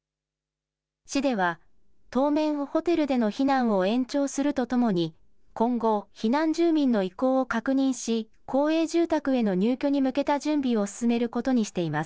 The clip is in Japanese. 市では、当面、ホテルでの避難を延長するとともに、今後、避難住民の意向を確認し、公営住宅への入居に向けた準備を進めることにしています。